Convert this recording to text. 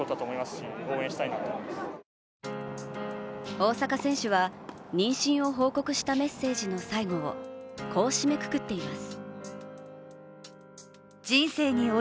大坂選手は妊娠を報告したメッセージの最後をこう締めくくっています。